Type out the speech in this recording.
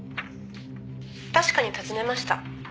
「確かに訪ねました」